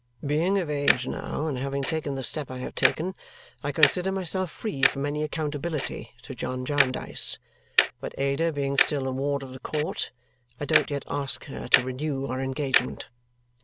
Being of age now and having taken the step I have taken, I consider myself free from any accountability to John Jarndyce; but Ada being still a ward of the court, I don't yet ask her to renew our engagement.